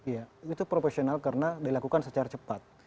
ya itu profesional karena dilakukan secara cepat